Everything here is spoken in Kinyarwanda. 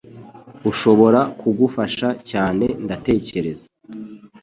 ashobora kugufasha cyane, ndatekereza.